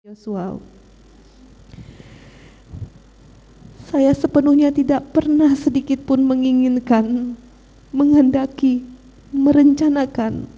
yosua saya sepenuhnya tidak pernah sedikitpun menginginkan menghendaki merencanakan